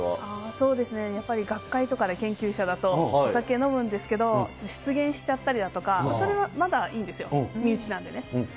そうですね、やっぱり学会とかで、研究者だと、お酒飲むんですけど、失言しちゃったりだとか、それはまだいいんですよ、身内なんでね。